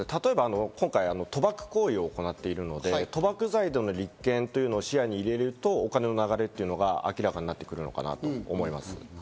今回、賭博行為を行っているので、賭博罪での立件というのを視野に入れるとお金の流れというのが明らかになってくるのかなと思います。